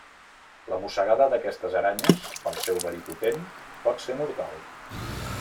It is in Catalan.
La mossegada d'aquestes aranyes, pel seu verí potent, pot ser mortal.